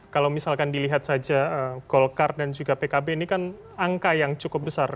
kalau misalkan dilihat saja golkar dan juga pkb ini kan angka yang cukup besar